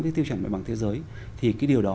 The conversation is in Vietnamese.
cái tiêu chuẩn nội bằng thế giới thì cái điều đó